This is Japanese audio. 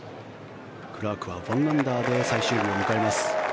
クラークは１アンダーで最終日を迎えます。